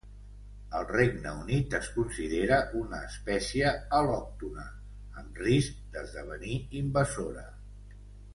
Al Regne Unit es considera una espècia al·lòctona amb risc d'esdevenir invasora.